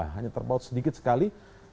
hanya terpaut sedikit sekali